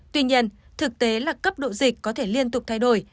tuy nhiên thực tế là cấp độ dịch có thể liên tục thay đổi